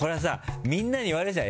みんなに言われるじゃん。